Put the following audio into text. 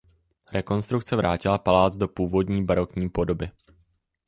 Rekonstrukce vrátila palác do původní barokní podoby.